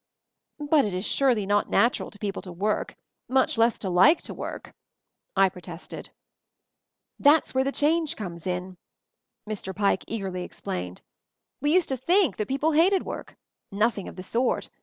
"But it is surely not natural to people to work — much less to like to work!" I pro tested. "There's where the change comes in," Mr. Pike eagerly explained. "We used to think that people hated work — nothing of the sort!